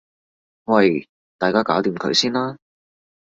喂大家搞掂佢先啦